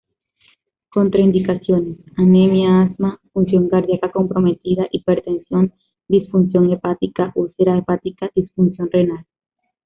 Contraindicaciones: Anemia, asma, función cardíaca comprometida, hipertensión, disfunción hepática, úlcera hepática, disfunción renal.